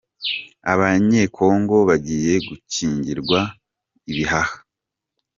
Abanyekongo bagiye gukingirwa ibihaha